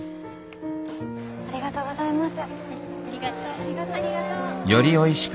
ありがとうございます。